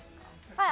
はい。